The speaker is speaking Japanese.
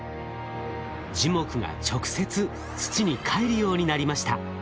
樹木が直接土にかえるようになりました。